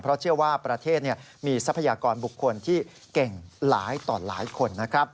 เพราะเชื่อว่าประเทศมีทรัพยากรบุคคลที่เก่งหลายต่อหลายคนนะครับ